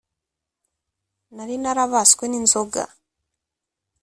nari narabaswe n inzoga